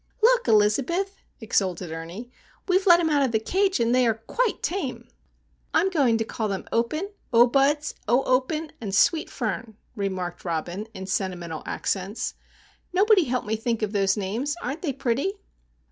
"Look, Elizabeth!" exulted Ernie. "We've let 'em out of the cage, and they are quite tame!" "I'm going to call them Open, O Buds, O Open, and Sweet Fern," remarked Robin, in sentimental accents. "Nobody helped me think of those names. Aren't they pretty?"